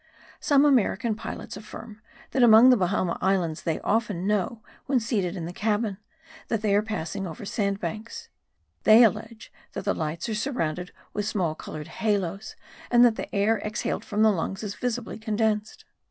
Some American pilots affirm that among the Bahama Islands they often know, when seated in the cabin, that they are passing over sand banks; they allege that the lights are surrounded with small coloured halos and that the air exhaled from the lungs is visibly condensed.